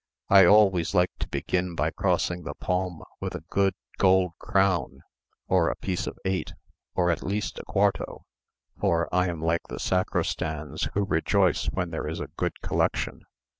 I always like to begin by crossing the palm with a good gold crown, or a piece of eight, or at least a quarto, for, I am like the sacristans who rejoice when there is a good collection."